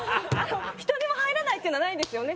１人も入らないっていうのはないですよね？